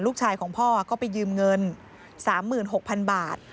ลูกชายของพ่อก็ไปยืมเงิน๓๖๐๐๐บาท